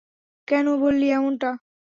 কেন বললি এমনটা?